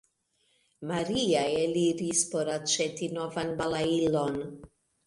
Maria eliris por aĉeti novan balailon.